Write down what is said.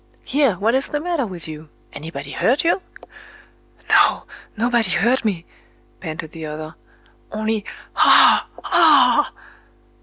"Here! what is the matter with you? Anybody hurt you?" "No—nobody hurt me," panted the other,—"only... _Ah!—aa!